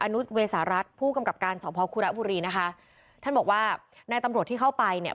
นุษยเวสหรัฐผู้กำกับการสอบพอคุระบุรีนะคะท่านบอกว่านายตำรวจที่เข้าไปเนี่ย